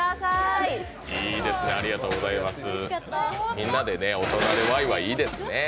みんなで大人でワイワイいいですね。